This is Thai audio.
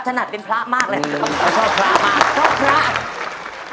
ฉนัดเป็นพระมากเลย